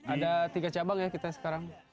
ada tiga cabang ya kita sekarang